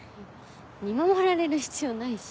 見守られる必要ないし。